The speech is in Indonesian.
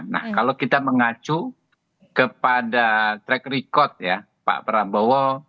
nah kalau kita mengacu kepada track record ya pak prabowo